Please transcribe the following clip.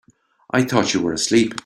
I thought you were asleep.